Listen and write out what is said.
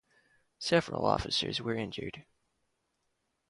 Several officers were injured.